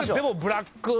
ブラック。